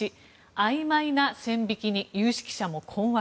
あいまいな線引きに有識者も困惑。